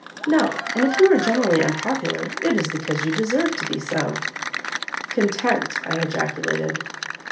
No; and if you are generally unpopular, it is because you deserve to be so." "Content!" I ejaculated.